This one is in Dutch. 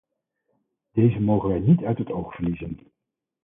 Deze mogen wij niet uit het oog verliezen.